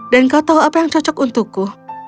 dan kau tahu apa yang cocok untukku